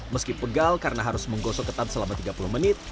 meski pegal karena harus menggosok ketan selama tiga puluh menit